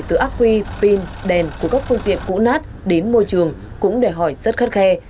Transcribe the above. từ ác quy pin đèn của các phương tiện cũ nát đến môi trường cũng đòi hỏi rất khắt khe